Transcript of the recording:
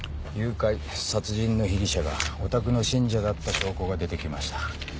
誘拐殺人の被疑者がおたくの信者だった証拠が出て来ました。